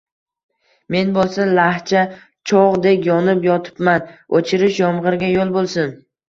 Men boʼlsa lahcha choʼgʼdek yonib yotibman, oʼchirish yomgʼirga yoʼl boʼlsin…